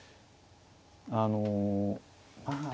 あのまあ。